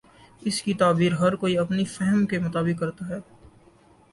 اس کی تعبیر ہر کوئی اپنے فہم کے مطابق کر تا ہے۔